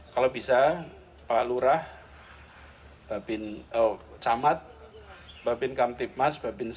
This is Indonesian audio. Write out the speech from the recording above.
kalau bisa pak lurah camat babin kaptip mas babinsa